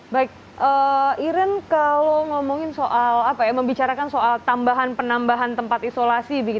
baik iren kalau ngomongin soal apa ya membicarakan soal tambahan penambahan tempat isolasi